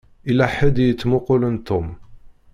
Yella ḥedd i yettmuqqulen Tom.